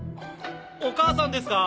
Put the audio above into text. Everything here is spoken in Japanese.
お母さんですか？